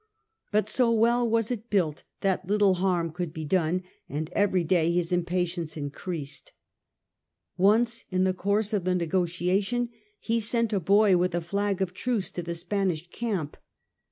But so well was it built, that little harm could be done, and every day his impatience increased. Once in the course of the negotiation he sent a boy with a flag of truce to the Spanish camp.